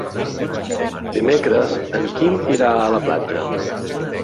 Dimecres en Quim irà a la platja.